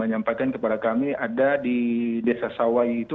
menyampaikan kepada kami ada di desa sawai itu